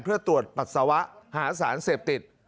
เพื่อตรวจปัสสาวะหาสารเสพติด